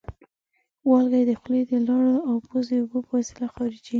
والګی د خولې د لاړو او پزې اوبو په وسیله خارجېږي.